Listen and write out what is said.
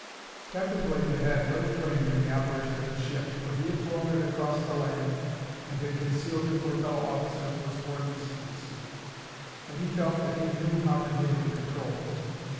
Captain Blake had had little training in the operation of the ship, but he had flown it across the land and had concealed it where fellow officers were sworn to secrecy. And he felt that he knew how to handle the controls.